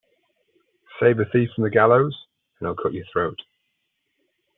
Save a thief from the gallows and he will cut your throat.